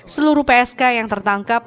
seluruh psk yang tertangkap